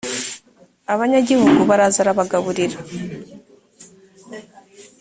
abanyagihugu baraza arabagaburira